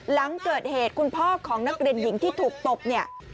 หลังเกิดเหตุคุณพ่อของนักเรียนหญิงที่ถูกตบเนี่ย